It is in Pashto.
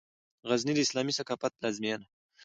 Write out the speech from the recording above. غزني د اسلامي ثقافت پلازمېنه